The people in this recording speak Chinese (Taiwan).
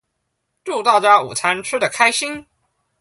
祝大家午餐吃的開心